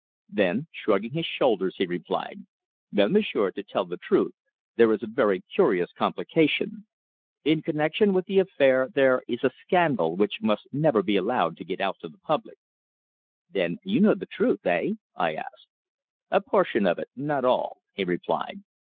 Then, shrugging his shoulders, he replied: "Well, m'sieur, to tell the truth, there is a very curious complication. In connection with the affair there is a scandal which must never be allowed to get out to the public." "Then you know the truth eh?" I asked. "A portion of it. Not all," he replied.